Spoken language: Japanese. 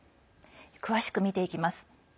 詳しく見ていきます。